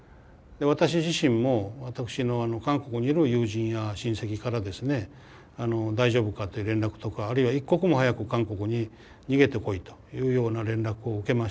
私自身も私の韓国にいる友人や親戚からですね大丈夫かっていう連絡とかあるいは一刻も早く韓国に逃げてこいというような連絡を受けました。